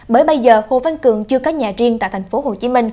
bởi bây giờ hồ văn cường chưa có nhà riêng tại tp hcm